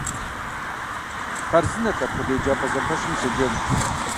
Хъарзынэт апхуэдэ еджапӏэ зэпэщым ущеджэну.